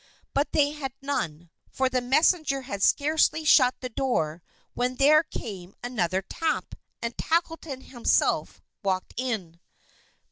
But they had none, for the messenger had scarcely shut the door when there came another tap, and Tackleton himself walked in.